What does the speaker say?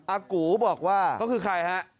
อากูบอกว่าเขาคือใครฮะ